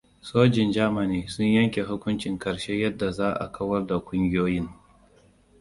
Sojin Jamani sun yanke hukuncin karshe yadda za a kawar da kugiyoyin.